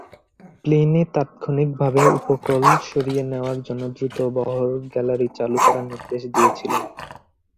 Pliny তাত্ক্ষণিকভাবে উপকূল সরিয়ে নেওয়ার জন্য দ্রুত বহর গ্যালারী চালু করার নির্দেশ দিয়েছিলেন।